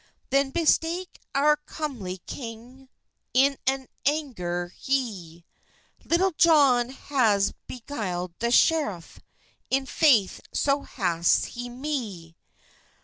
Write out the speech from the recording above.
Then bespake oure cumly kynge, In an angur hye, "Litulle Johne hase begyled the schereff, In faith so hase he me.